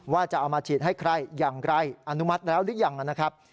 ว่าจะเอามาฉีดให้ใครอย่างไรอนุมัติแล้วหรือยังนะครับ